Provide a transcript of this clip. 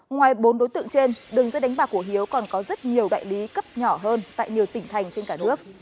ngoài bốn đối tượng trên đường dây đánh bạc của hiếu còn có rất nhiều đại lý cấp nhỏ hơn tại nhiều tỉnh thành trên cả nước